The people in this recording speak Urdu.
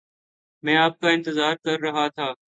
میں آپ کا انتظار کر رہا تھا۔